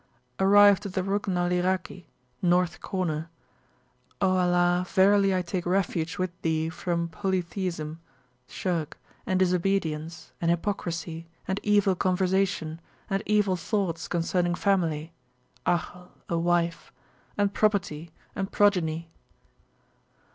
Arrived at the Rukn al Iraki (North corner): O Allah, verily I take refuge with Thee from Polytheism (Shirk), and Disobedience, and Hypocrisy, and Evil Conversation, and Evil Thoughts concerning Family (Ahl, a wife), and Property, and Progeny!